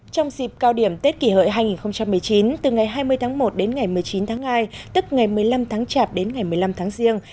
trong dịp cao điểm tết kỷ hợi hai nghìn một mươi chín từ ngày hai mươi tháng một đến ngày một mươi chín tháng hai tức ngày một mươi năm tháng chạp đến ngày một mươi năm tháng riêng